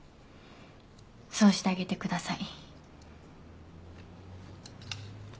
そうしてあげてください。